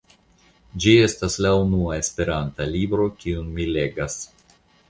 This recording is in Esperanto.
Ĝi estas la unua esperanta libro kiun mi legas.